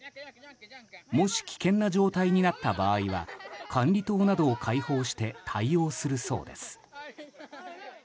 もし危険な状態になった場合は管理棟などを開放して対応するそうです。